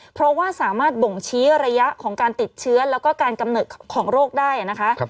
เพราะว่าสามารถบ่งชี้ระยะของการติดเชื้อแล้วก็การกำเนิดของโรคได้นะคะ